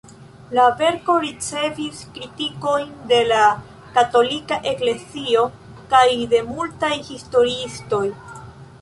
La verko ricevis kritikojn de la Katolika Eklezio kaj de multaj historiistoj.